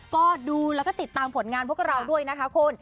ก็ดูแล้วก็ติดตามผลงานพวกเราด้วยนะคะคุณ